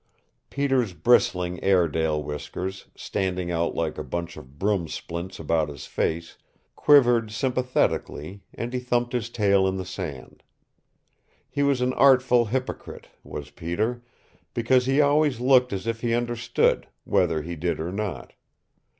Peter's bristling Airedale whiskers, standing out like a bunch of broom splints about his face, quivered sympathetically, and he thumped his tail in the sand. He was an artful hypocrite, was Peter, because he always looked as if he understood, whether he did or not.